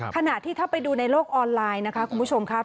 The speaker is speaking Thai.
ขณะที่ถ้าไปดูในโลกออนไลน์นะคะคุณผู้ชมครับ